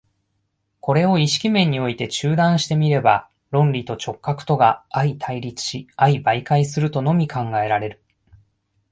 これを意識面において中断して見れば、論理と直覚とが相対立し相媒介するとのみ考えられる。